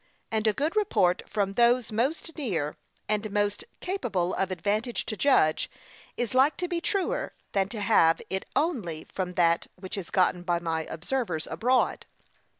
And a good report from those most near, and most capable of advantage to judge, is like to be truer than to have it only from that which is gotten by my observers abroad.